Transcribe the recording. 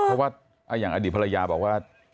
เพราะว่าอย่างอดีตภรรยาบอกว่า